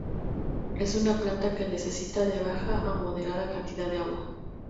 Es una planta que necesita de baja a moderada cantidad de agua.